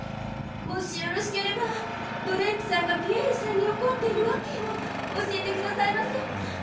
もしよろしければドレープさんがピエールさんにおこっているわけをおしえてくださいませんか？